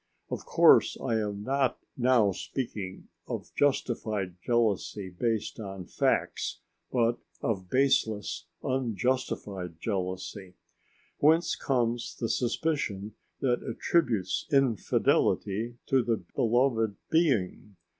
Of course I am not now speaking of justified jealousy based on facts, but of baseless, unjustified jealousy. Whence comes the suspicion that attributes infidelity to the beloved being?